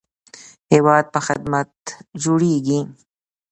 هیواد په خدمت جوړیږي